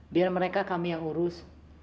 biar mereka kami yang urus